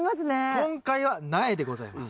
今回は苗でございます。